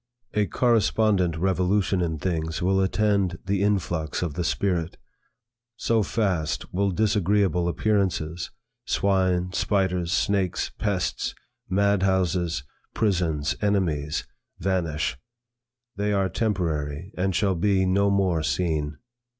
A correspondent revolution in things will attend the influx of the spirit. So fast will disagreeable appearances, swine, spiders, snakes, pests, madhouses, prisons, enemies, vanish; they are temporary and shall be no more seen.